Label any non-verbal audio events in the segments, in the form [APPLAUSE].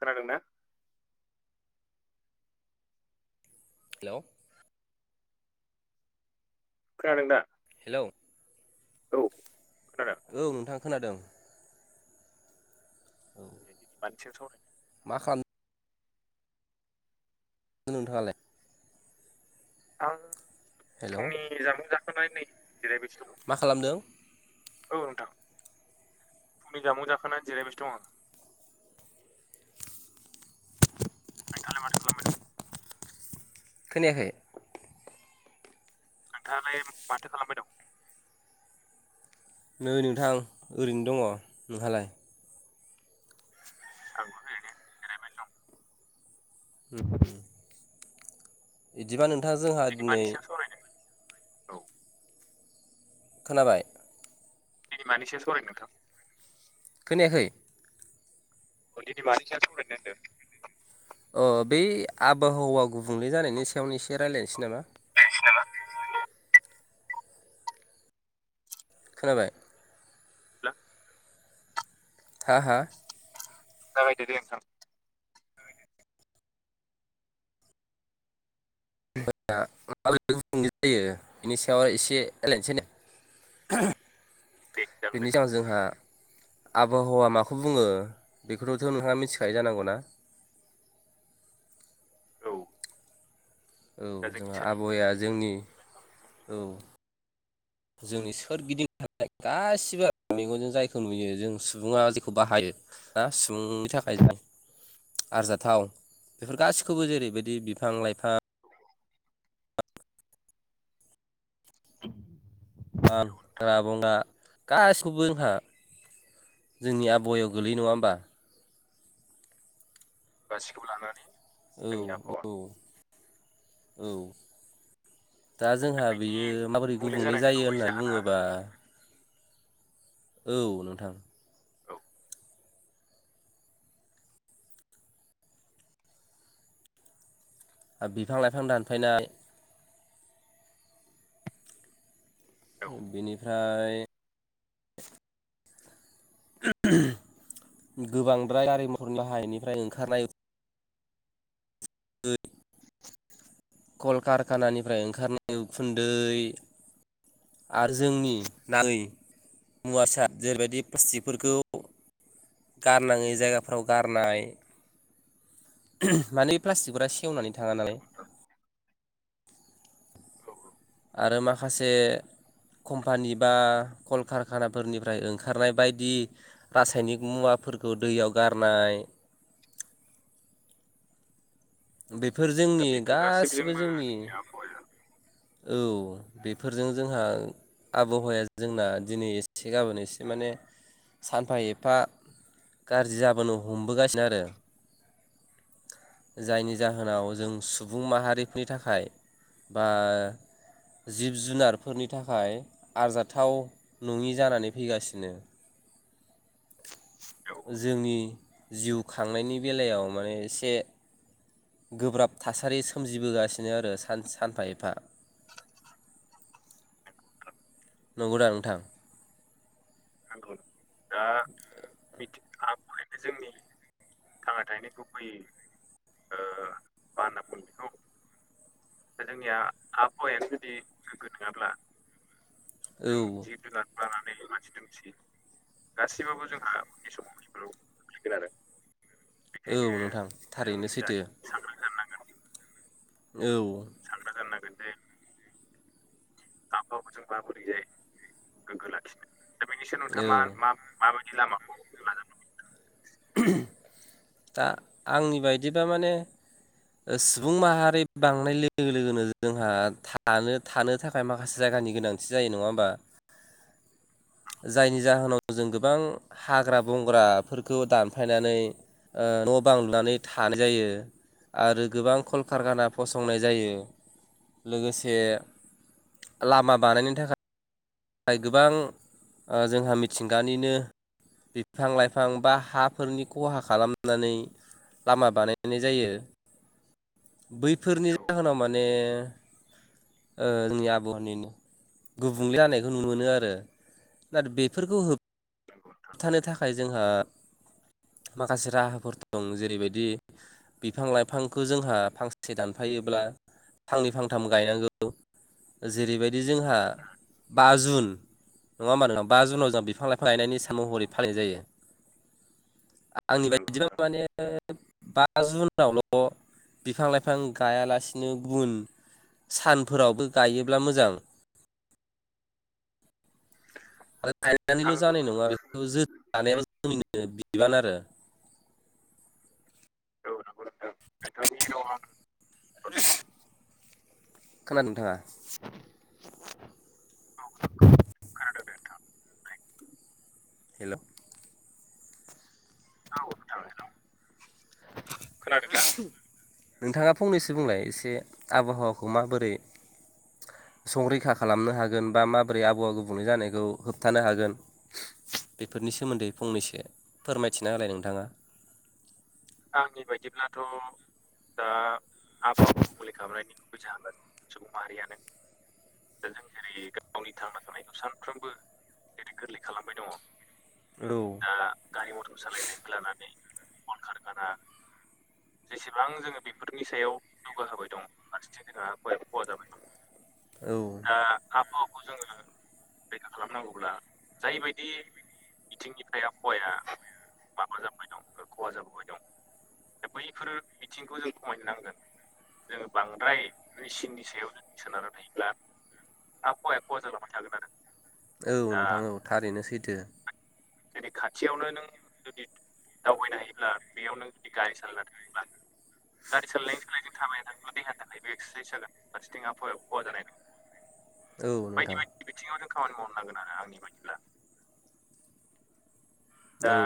खोनादों ना? हेलौ। खोनादों दा? हेलौ। औ खोनादों। औ नोंथां खोनादों। औ। [UNINTELLIGIBLE] मा खालाम‌ दों नोंथाङालाय? आं हेल' फुंनि जामुं जाखांनानै नै जिरायबायसो दं। मा खालामदों? औ नोंथां। फुंनि जामुं जाखांना जिरायबायसो दं आं। नोंथाङालाय माथो खालामबायदों। खोनायाखै। नोंथाङालाय माथो खालामबाय दं। नै नोंथां ओरैनो दङ नोंहालाय आंबो ओरैनो जिरायबाय दं उम। बिदिबा नोंथाङा जोंहा मानि दिनै। सायाव सावरायनो औ खोनाबाय। दिनै मानि सायाव सावरायनो नोंथां। खोनायाखै। दिनै मानि सयाव सावरायनो होन्दों अ बै आबहावा गुबुंले जानायनि सायावनो एसे रायज्लायनोसै नामा बिनोसै नामा खोनाबाय [UNINTELLIGIBLE] हा हा जागायदो दे नोंथां [UNINTELLIGIBLE] बेनि सायाव एसे रायज्लायनोसै नेे दे जागोन दे बेनि जाव नोंथां जोंहा आबहावा माखौ बुङो बेखौथ नोंथाङा मिथिखायो जानांगौ ना औ औ दा जोंनि जोंहा सोरगिदिं आबहावाया थानाय जोंनि लाइफां जिब औ जुनार जोंनि सोरगिदिं गासिबो मेगनजों जायखौ नुयो जों सुबुङा जेखौ बाहायो सुबुं नि थाखाय जाय आरजाथाव बेफोर गासिखौबो जेरैबायदि बिफां लाइफां [UNINTELLIGIBLE] नोंथां हाग्रा बंग्रा गासिखौबो जोंहा जोंनि आबहावायाव गोलैयो नङा होमबा गासिखौबो लानानै औ जोंनि आबहावा औ औ दा जोंहा बियो माबोरै गुबुंले जानायनि जायो गुबै होनना जाहोना बुङोबा औ नोंथां औ ओ बिफां लाइफां दानफायनाय औ बिनिफ्राय गोबांद्राय गारि मथरनि लाहायनिफ्राय ओंखारनाय [INAUDIBLE] कलकारखानानिफ्राय ओंखारनाय उखुन्दै आरो जोंनि नाङै मुवासा जेरैबायदि प्लास्टिकफोरखौ गारनाङै जायगाफ्राव गारनाय माने प्लास्टिकफोरा सेवनानै थाङा नालाय औ आरो माखासे कम्पानि बा कलकारखानाफोरनिफ्राय ओंखारनाय बायदि रासायनिक मुवाफोरखौ दैयाव गारनाय बेफोर दा जोंनि बेफोर गासिबो गासैबोजोंबो जोंनि आबहावाया औ बेफोरजों जोंहा आबहावाया जोंना दिनै एसे गाबोन एसे माने सानफा एफा गाज्रि जाबोनो हमबोगासिनो आरो जायनि जाहोनाव जों सुबुं माहारिफोरनि थाखाय बा जिब जुनारफोरनि थाखाय आरजाथाव नङि जानानै फैगासिनो। औ जोंनि जिउ खांनायनि बेलायाव माने एसे गोब्राब थासारि सोमजिबोगासिनो आरो सान‌ सानफा एफा नंगौ नोंथां नंगौदा नोंथां? नौ दा मिथ आबहावानो जोंनि थांना थानायनि गुबैै ओ मा होनना बुंगोन बेखौ दा जोंनिया आबहावाय जुदि गोग्गो नङाब्ला जों औ जिब जुनार लानानै मानसि दुमसि गासैबाबो जोंहा उननि समाव खैफोदाव खोख्लैगोन आरो औ बेखायनो नोंथां जों थारैनो सैथो दानि सांग्रां जानांगोन औ सांग्रां जानागदे गाबबाबो जों माबोरै जायो गोग्गो लाखिनो दा बेनिसायाव नोंथांङा औ मा मा माबायदि लामाखौ लानांगोन दा आंनिबायदिबा माने सुबुं माहारि बांनाय लोगो लोगोनो जोंहा थानो थानो थाखाय थाखाय माखासे जायगानि गोनथि जायो नङा होमबा जायनि जाहोनाव जों गोबां हाग्रा बंग्राफोरखौ दानफायनानै न' बां लुनानै थानाय जायो आरो गोबां कलकारखाना औ फसंनाय जायो लोगोसे लामा बानायनो थाखाय थाखाय गोबां ओ जोंहा मिथिंगानिनो बिफां लाइफां बा हाफोरनि खहा खालामनानै लामा बानायनाय जायो। बैफोरनि औ जाहोनाव माने ओ आबहावानिनो गुबुंले हानाय नुनो मोनो आरो दा बेफोरखौ नोंगौ नोंथां होबथानो थाखाय जोंहा माखासे राहाफोर दं जेरैबायदि बिफां लाइफांखौ जोंहा फांसे दानफायोब्ला फांनै फांथाम गायनांगौ। जेरैबायदि जोंहा बा जुन नङा होमबा नोंथां मानोना बा जुनाव जों बिफां लाइफां लायनायनि महरै फालिनाय जायो आंनि नंगौ बायदिबा नोंथां माने बा जुनावल' बिफां लाइफां गायालासिनो गुबुन सानफोरावबो गायोब्ला मोजां। आरो गायनानैल' आंबो औ जानाय नङा बेखौ जोथ लानायाबो जोंनिनो बिबान आरो। औ नोंगौ खोनादों नोंथां? [UNINTELLIGIBLE] खोनादों नोंथांङा [UNINTELLIGIBLE] खोनादों दे हेल' औ नोंथां हेल' नोंथाङा फंनैसो बुंलाय आबहावाखौ माबोरै संरैखा खालामनो हागोन बा माबोरै आबहावा गुबुंले जानायखौ होबथानो हागोन बेफोरनि सोमोन्दै फंनैसो फोरमायथिना हालाय नोंथाङा आंनि बायदिब्लाथ' दा आबहावाखौ मुलि खालामनायनि गुब जाह सुबुं माहारियानो दा जों जेरै गावनि थांना थानायखौ जेरै गोरलै खालामबाय दङ औ दा गारि मथर सालायनायखौ लानानै कल कारखाना जेसेबां जोङो बेफोरनि सायाव जौगाहोबाय दं फारसेथिं जोंहा खहा जाबाय दं औ दा आबहावाखौ जोङो रैखा खालामनांगौब्ला जायबायदि बिथिंनिखाइ माबा जाबोबाय दं खहा जाबोबाय दं दा बैफोर बिथिंखौ जों खमायनो नांगोन जोङो बांद्राय मेचिननि सायाव जों सोनारना थायोब्ला। आबहाया खहा जालांबाय थागोन आरो। औ दा नोंथां औ थारैनो सैथो। जेरै खाथियावनो नों जुदि। दावबायनो हायोब्ला बेयाव नों जुदि गारि सालायना थाङोब्ला। गारि सालायनायनि सालानाय जों थाबायनानै थाङोब्ला देहानि थाखायबो एक्सारसाइस जागोन फारसेथिं आहावाया खहा जानाय नङा। औ नोंथां। बे बिथिङाव जों खामानि मावनो नांगोन आरो आंनि बायदिब्ला। दा औ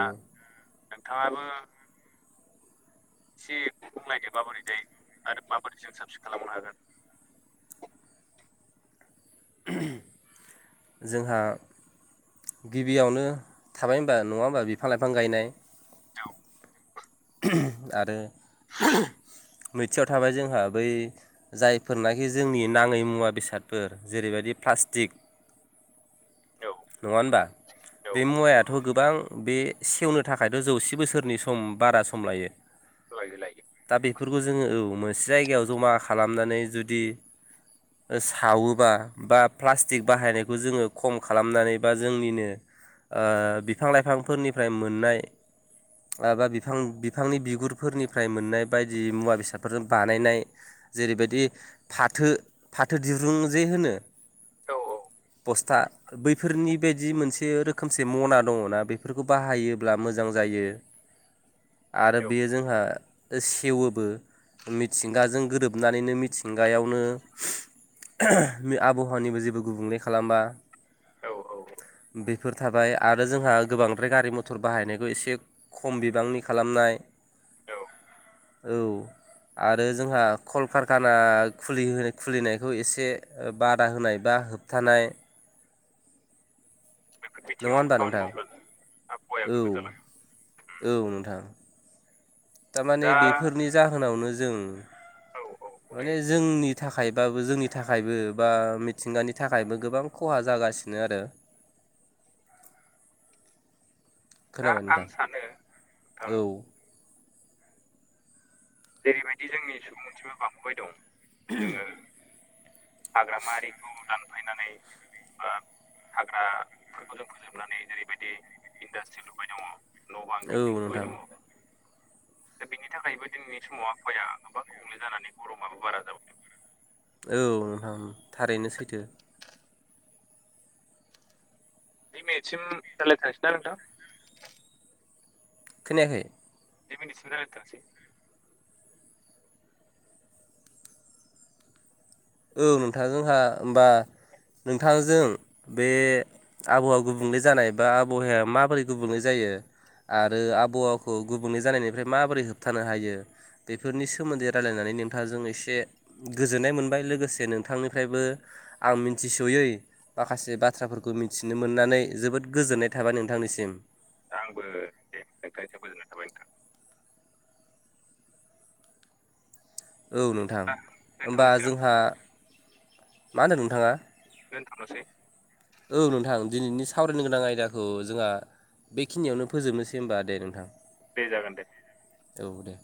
नोंथाङाबो। एसे बुं नायदो माबोरै जायो आरो माबोरै जों साब सिन खालामनो हागोन। जोंहा। गिबियावनो थाबाय होनबा नङा होनबा बिफां लाइफां गायनाय। औ। आरो नैथियाव थाबाय जोंहा बै। जायफोर नाखि जोंनि नाङै मुवा बेसादफोर जेरैबायदि प्लास्टिक नङा होनबा औ बे औ मुवायाथ' गोबां बे। सेवनो थाखायथ' जौसे बोसोरनि सम बारा सम लायो। होलाइ होलाइ। दा बेफोरखौ जोङो औ मोनसे जायगायाव जमा खालामनानै जुदि। सावोब्ला बा प्लास्टिक बाहायनायखौ जोङो खम खालाम। खालामनानै बा जोंनिनो बिफां लाइफांफोरनिफ्राय मोननाय। माबा बिफां बिफांनि बिगुरफोरनिफ्राय मोननाय बायदि मुवा बेसादफोरजों बानायनाय। जेरैबायदि फाथो फाथो दिरुंजे होनो। औ बस्था। बेफोरनि बायदि मोनसे रोखोमसे मना दङना बेफोरखौ बाहायोब्ला मोजां जायो। आरो बे जोंहा सेवोबो। मिथिंगाजों गोरोबनानैनो मिथिंगायावनो। आबहावानिबो जेबो गुबुंले खालामा। औ औ बेफोर थाबाय आरो जोंहा गोबांद्राय गारि मटर बाहायनायखौ एसे। खम बिबांनि खालामनाय। औ औ। आरो जोंहा कलकारखाना खुलि खुलिनायखौ एसे बादा होनायबा होब थानाय। बेफोर नङा बिथिङाव होनबा खामानि नोंथां मावब्ला जों आबहावाया औ गोगो जालाङो। औ नोंथां। थारमाने दा बेफोरनि जाहोनावनो जों औ औ बुंनाय माने जोंनि थाखायबाबो जोंनि। थाखायबो बा मिथिंगानि थाखायबो गोबां खहा जागासिनो आरो। दा खोनाबाय आं नोंथां सानो नोंथां। औ जेरैबायदि जोंनि सुबुं अनजिमा बांबोबाय दं जोङो। हाग्रामा आरिखौ दानफायनानै। दा हाग्राफोरखौ जों फोजोबनानै जेरैबायदि इन्डास्ट्रि लुबाय दङ। न' बांं औ बिल्डिं लुबाय नोंथां दङ। दा बेनि थाखायबो दिनैनि समाव आवहाया गोबां गुबुंले जानानै गरमाबो बारा जाबोदों। औ नोंथां थारैनो सैथो। जि मिनिटसिम रायलाथारसैना नोंथां? खोनायाखै? जि मिनिटसिम रायलायथारनिसै औ नोंथां जोंहा ओमबा नोंथांजों बे आबहावा गुबुंले जानाय एबा आबहावाया माबोरै गुबुंले जायो आरो आबहावा गुबुंले जानायनिफ्राय माबोरै होबथानो हायो बेफोरनि सोमोन्दै रायलायनानै नोंथांजों एसे गोजोननाय मोनबाय लो गोसे नोंथांनिफ्रायबो आं मिथिसयै माखासे बाथ्राफोरखौ मिथिनो मोननानै जोबोद गोजोननाय थाबाय नोंथांनिसिम। आंबो दे नोंथांनिसिम गोजोननाय थाबाय नोंथां। औ नोंथां ओमबा दोनथ'नोसै जोंहा मा होनदो नोंथाङा? दोनथनोसै। औ नोंथां दिनैनि सावरायनो गोनां आयदाखौ जोङा बेखिनियावनो फोजोबनोसै ओमबा दे नोंथां। दे जागोन दे। औ दे।